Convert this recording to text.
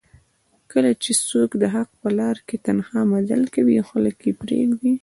کله چې څوک دحق په لار کې تنها مزل کوي او خلک یې پریږدي